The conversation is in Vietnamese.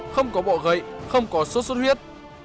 không có bọ gậy không có sốt sốt huyết